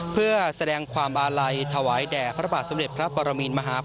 เพื่อแสดงความ